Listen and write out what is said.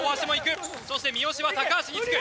そして三好は高橋につく。